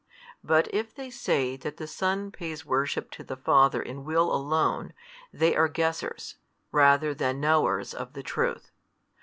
But if they say that the Son pays worship to the Father in will alone, they are guessers, rather than knowers of the truth.